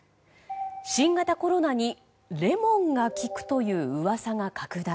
新型コロナにレモンが効くという噂が拡大。